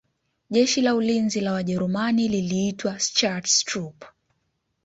Jeshi la Ulinzi wa Wajerumani liliitwa Schutztruppe